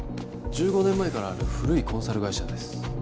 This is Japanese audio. １５年前からある古いコンサル会社です